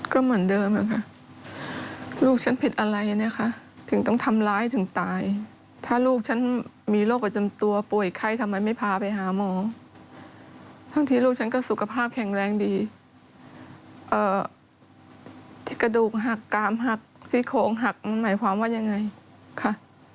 ก็เหมือนเดิมอะค่ะลูกฉันผิดอะไรนะคะถึงต้องทำร้ายถึงตายถ้าลูกฉันมีโรคประจำตัวป่วยไข้ทำไมไม่พาไปหาหมอทั้งที่ลูกฉันก็สุขภาพแข็งแรงดีกระดูกหักกามหักซี่โครงหักมันหมายความว่ายังไงค่ะ